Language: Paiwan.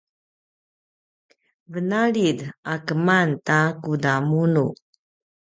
venalid a keman ta kudamunu